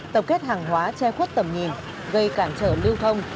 tập kết hàng hóa che khuất tầm nhìn gây cản trở lưu thông